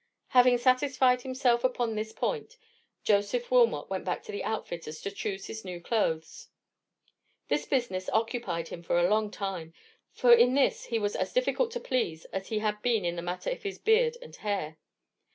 Having satisfied himself upon this point, Joseph Wilmot went back to the outfitter's to choose his new clothes. This business occupied him for a long time; for in this he was as difficult to please as he had been in the matter of his beard and hair.